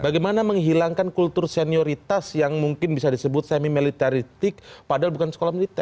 bagaimana menghilangkan kultur senioritas yang mungkin bisa disebut semi militaritik padahal bukan sekolah militer